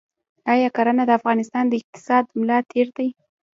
آیا کرنه د افغانستان د اقتصاد ملا تیر دی؟